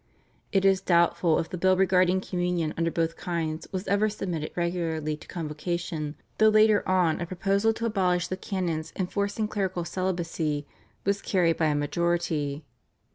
It is doubtful if the bill regarding Communion under both kinds was ever submitted regularly to Convocation, though later on a proposal to abolish the canons enforcing clerical celibacy was carried by a majority.